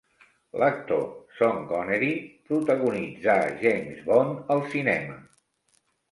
L'actor Sean Connery protagonitzà James Bond al cinema.